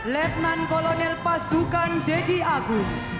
lieutenant kolonel pasukan dedy agut